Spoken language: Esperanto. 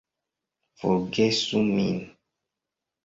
Forgesu min.